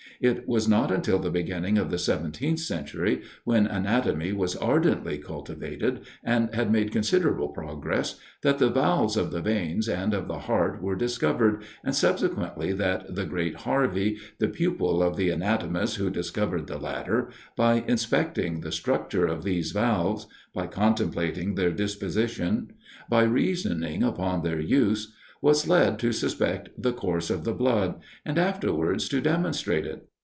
It was not until the beginning of the 17th century, when anatomy was ardently cultivated, and had made considerable progress, that the valves of the veins and of the heart were discovered, and subsequently that the great Harvey, the pupil of the anatomist who discovered the latter, by inspecting the structure of these valves; by contemplating their disposition; by reasoning upon their use, was led to suspect the course of the blood, and afterwards to demonstrate it.